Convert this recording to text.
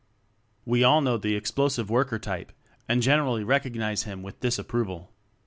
We all know the Explosive Worker type and generally recognize him with disapproval.